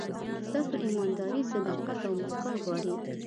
ستاسو ایمانداري، صداقت او موسکا غواړي.